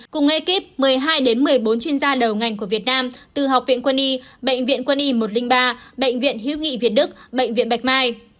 cùng ekip một mươi hai đến một mươi bốn chuyên gia đầu ngành của việt nam từ học viện quân y bệnh viện quân y một trăm linh ba bệnh viện hiếu nghị việt đức bệnh viện bạch mai